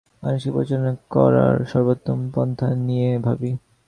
মানুষকে পরিচালনা করার সর্বোত্তম পন্থা নিয়ে ভাবি।